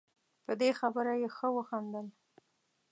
په دې خبره یې ښه وخندل.